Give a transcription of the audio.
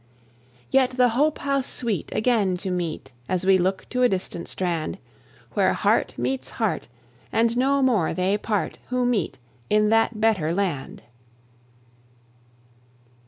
Yet the hope how sweet, again to meet, As we look to a distant strand, Where heart meets heart, and no more they part Who meet in that better land.